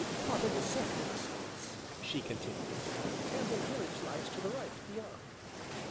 "Part of the Sefton estates," she continued; "Cambourne village lies to the right, beyond."